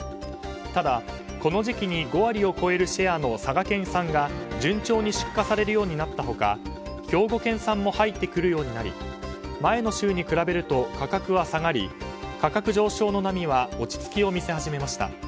ただ、この時期に５割を超えるシェアの佐賀県産が順調に出荷されるようになった他兵庫県産も入ってくるようになり前の週に比べると価格は下がり、価格上昇の波は落ち着きを見せ始めました。